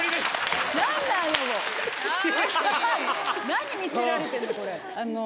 何見せられてるの？